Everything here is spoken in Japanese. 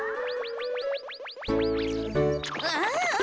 ああ。